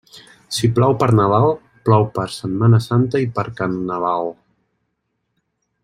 Si plou per Nadal, plou per Setmana Santa i per Carnaval.